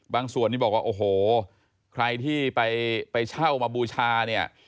ส่วนนี้บอกว่าโอ้โหใครที่ไปเช่ามาบูชาเนี่ย